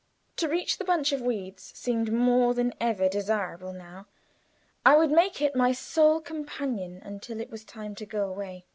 To reach the bunch of reeds seemed more than ever desirable now. I would make it my sole companion until it was time to go away.